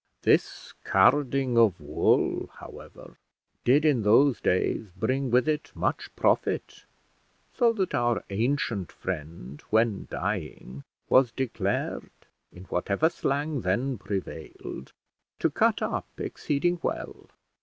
This carding of wool, however, did in those days bring with it much profit, so that our ancient friend, when dying, was declared, in whatever slang then prevailed, to cut up exceeding well.